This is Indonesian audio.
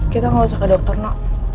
kita gak usah ke dokter nak